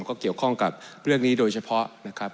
ก็เกี่ยวข้องกับเรื่องนี้โดยเฉพาะนะครับ